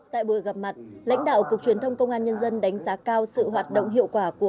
tại buổi gặp mặt lãnh đạo cục truyền thông công an nhân dân đánh giá cao sự hoạt động hiệu quả của